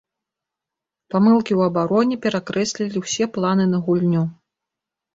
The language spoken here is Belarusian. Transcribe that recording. Памылкі ў абароне перакрэслілі ўсе планы на гульню.